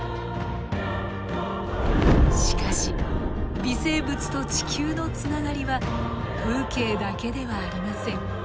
しかし微生物と地球のつながりは風景だけではありません。